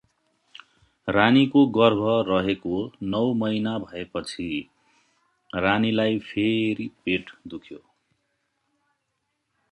रानीको गर्भ रहेको नौ महिना भएपछि रानीलाई फेरि पेट दुख्यो ।